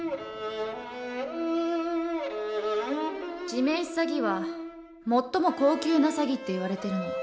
地面師詐欺は最も高級な詐欺っていわれてるの